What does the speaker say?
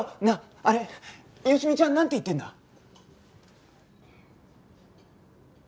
なああれ好美ちゃんなんて言ってるんだ？